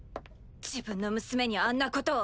自分の娘にあんなことを。